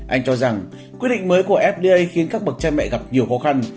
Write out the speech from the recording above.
anh cho rằng quyết định mới của fda khiến các bậc cha mẹ gặp nhiều khó khăn